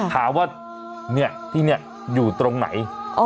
ถามว่าเนี่ยที่เนี่ยอยู่ตรงไหน